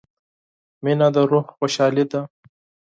• مینه د روح خوشحالي ده.